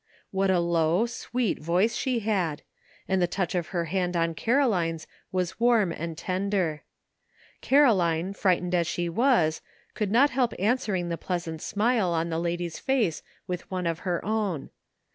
What a low,*sweet voice she had ! and the touch of her hand on Caroline's was warm and tender. Caroline, frightened as she w^as, could not help answering the pleasant smile on the lady's face with one of her own.